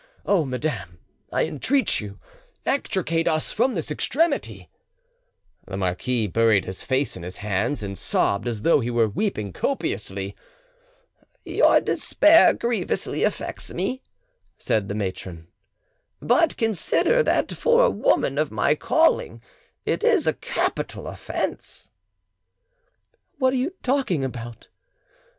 Oh, madame, I entreat you, extricate us from this extremity!" The marquis buried his face in his hands, and sobbed as though he were weeping copiously. "Your despair grievously affects me," said the matron; "but consider that for a woman of my calling it is a capital offence." "What are you talking about?